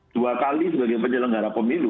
dua kali sebagai penyelenggara pemilu